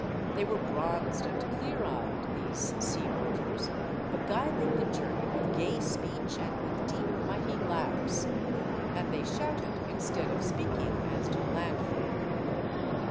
They were bronzed and clear eyed, these sea rovers, beguiling the journey with gay speech and with deep, mighty laughs. And they shouted, instead of speaking as do landfolk.